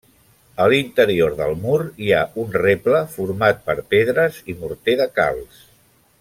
A l'interior del mur hi ha un reble, format per pedres i morter de calç.